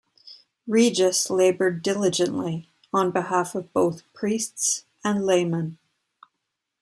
Regis laboured diligently on behalf of both priests and laymen.